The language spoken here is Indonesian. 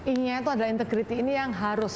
inginya itu adalah integrity ini yang harus